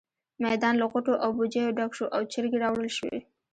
میدان له غوټو او بوجيو ډک شو او چرګې راوړل شوې.